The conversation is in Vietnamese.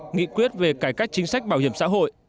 nghị quyết về cải cách chính sách bảo hiểm xã hội